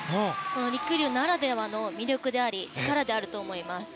りくりゅうならではの魅力であり力であると思います。